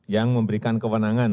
yang memberikan kewenangan